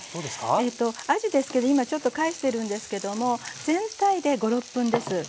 はいえとあじですけど今ちょっと返してるんですけども全体で５６分です。